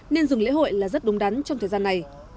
nên dừng lễ hội là rất đúng đắn trong thời gian này